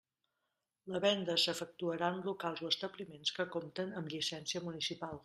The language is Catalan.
La venda s'efectuarà en locals o establiments que compten amb llicència municipal.